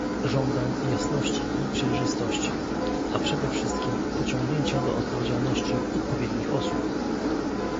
Żądam jasności i przejrzystości, a przede wszystkim pociągnięcia do odpowiedzialności odpowiednich osób